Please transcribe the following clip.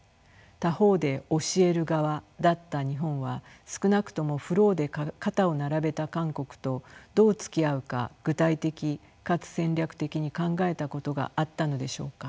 他方で教える側だった日本は少なくともフローで肩を並べた韓国とどうつきあうか具体的かつ戦略的に考えたことがあったのでしょうか。